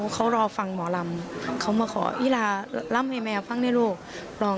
เขารอฟังหมอรำเขามาขออิราล้ำให้แม่ฟังได้รูป